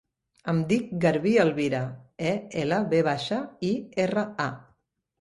Em dic Garbí Elvira: e, ela, ve baixa, i, erra, a.